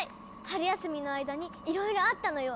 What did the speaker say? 春休みの間にいろいろあったのよ。